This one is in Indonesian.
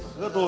neng gak tuh